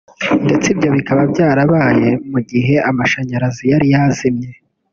ndetse ibyo bikaba byarabaye mu gihe amashanyarazi yari yazimye